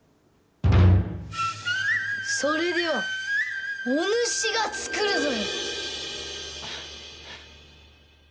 それではおぬしが作るぞよ！